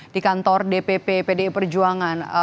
di kantor dpp pdi perjuangan